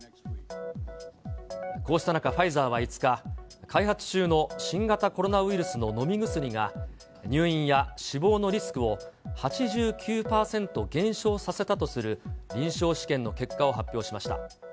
こうした中、ファイザーは５日、開発中の新型コロナウイルスの飲み薬が、入院や死亡のリスクを８９％減少させたとする、臨床試験の結果を発表しました。